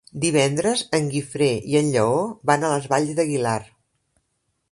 Divendres en Guifré i en Lleó van a les Valls d'Aguilar.